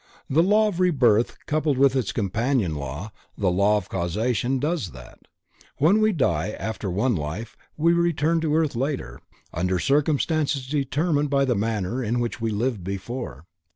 The law of Rebirth coupled with its companion law, the law of Causation does that. When we die after one life, we return to earth later, under circumstances determined by the manner in which we lived before.